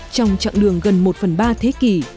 trong chặng đường gần một phần ba thế kỷ